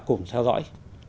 cùng theo dõi